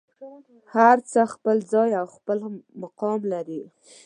هر څه خپل ځای او خپل مقام لري.